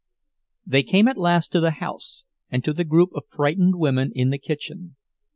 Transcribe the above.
They came at last to the house, and to the group of frightened women in the kitchen.